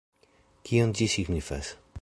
Kion ĝi signifas?